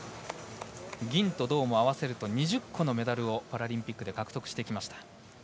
銀と銅も合わせると２０個のメダルを獲得してきました。